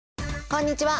こんにちは。